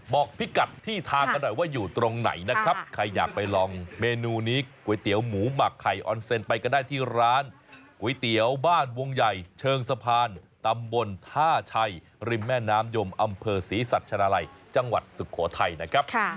บอกพิกัดที่ทางกันหน่อยว่าอยู่ตรงไหนนะครับใครอยากไปลองเมนูนี้ก๋วยเตี๋ยวหมูหมักไข่ออนเซนไปก็ได้ที่ร้านก๋วยเตี๋ยวบ้านวงใหญ่เชิงสะพานตำบลท่าชัยริมแม่น้ำยมอำเภอศรีสัชนาลัยจังหวัดสุโขทัยนะครับ